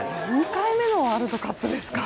４回目のワールドカップですか。